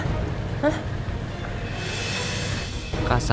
emang apa orang di rumahnya